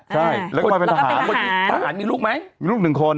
ใช่แล้วก็มาเป็นทหารแล้วก็เป็นทหารทหารมีลูกไหมมีลูกหนึ่งคน